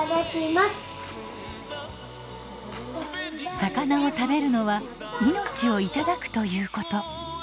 魚を食べるのは命をいただくということ。